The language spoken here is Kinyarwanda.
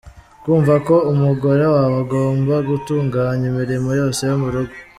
Kumva ko umugore wawe agomba gutunganya imirimo yose yo mu rugo.